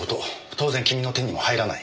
当然君の手にも入らない。